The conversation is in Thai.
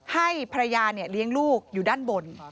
ให้ภรรยาเลี้ยงลูกอยู่ด้านบน